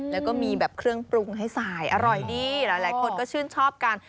แล้วก็มีแบบเครื่องปรุงให้สายอร่อยดีหลายคนก็ชื่นชอบกัน